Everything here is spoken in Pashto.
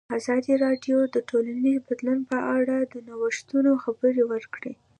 ازادي راډیو د ټولنیز بدلون په اړه د نوښتونو خبر ورکړی.